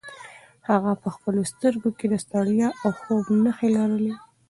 هغه په خپلو سترګو کې د ستړیا او خوب نښې لرلې.